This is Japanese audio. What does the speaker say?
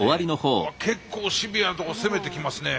うわ結構シビアなとこ攻めてきますね。